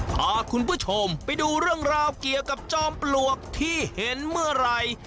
พาคุณผู้ชมไปดูเรื่องราวเกี่ยวกับจอมปลวกที่เห็นเมื่อไหร่